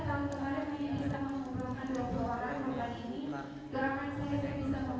tolong pak supaya masyarakat tidak bertumbuh lama